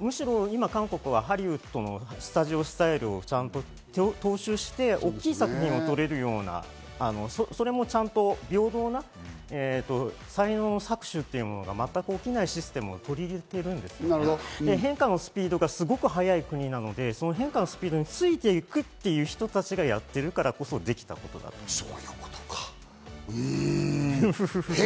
むしろ韓国は今、ハリウッドのスタジオスタイルを踏襲して、大きい作品を撮れるような、それもちゃんと平等な才能の搾取が全く起きないシステムを取り入れているんですけど、変化のスピードがすごく速い国なので、変化のスピードについていく人たちがやっているからこそ、できたんです。